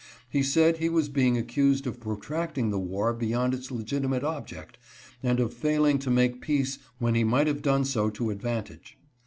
He said he was being accused of protracting the war beyond its legitimate object and of failing to make peace when he might have done so to advantage.